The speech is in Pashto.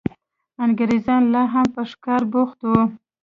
انګرېزان لا هم په ښکار بوخت وو.